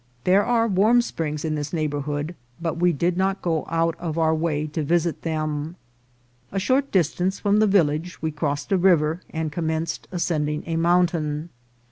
There are warm springs in this neighbourhood, but we did not go out of our way to visit them. A short dis tance from the village we crossed a river and commen ced ascending a mountain.